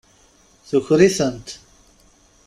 Tuker-itent.